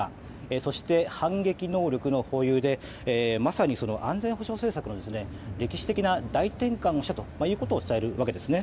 そして反撃能力の保有でまさに安全保障政策の歴史的な大転換に来たと伝えるわけですね。